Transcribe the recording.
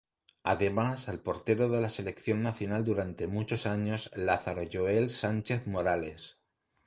Además al portero de la selección nacional durante muchos años, Lázaro Joel Sánchez Morales.